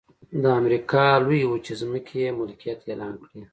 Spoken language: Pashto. د امریکا لویې وچې ځمکې یې ملکیت اعلان کړې.